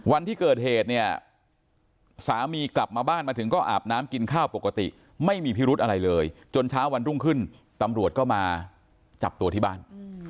วันที่เกิดเหตุเนี่ยสามีกลับมาบ้านมาถึงก็อาบน้ำกินข้าวปกติไม่มีพิรุธอะไรเลยจนเช้าวันรุ่งขึ้นตำรวจก็มาจับตัวที่บ้าน